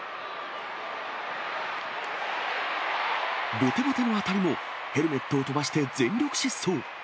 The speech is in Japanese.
ぼてぼての当たりも、ヘルメットを飛ばして全力疾走。